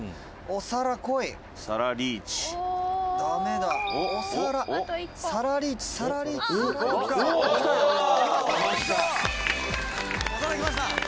「お皿きました！」